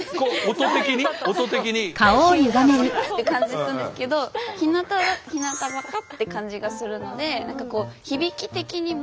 音的に？って感じするんですけど「ひなたざか」って感じがするので何かこう響き的にも。